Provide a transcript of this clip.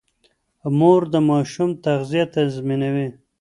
مور د ماشوم تغذيه تنظيموي.